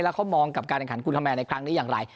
แล้วเขามองกับการแข่งขันกุลแมนในครั้งนี้อย่างไร